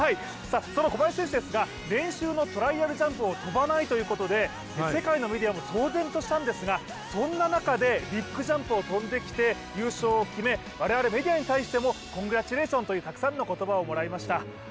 その小林選手ですが、練習のトライアルジャンプを飛ばないということで世界のメディアも騒然としたんですが、そんな中でビッグジャンプを飛んできて優勝を決め、我々メディアに対してもコングラッチュレーションというたくさんの言葉をもらいました。